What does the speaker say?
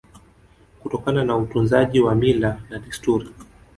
Kutokana na utunzaji wa mila na desturi